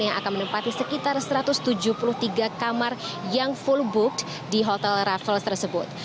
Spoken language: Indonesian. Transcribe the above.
yang akan menempati sekitar satu ratus tujuh puluh tiga kamar yang full book di hotel raffles tersebut